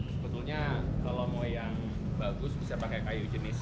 sebetulnya kalau mau yang bagus bisa pakai kayu jenis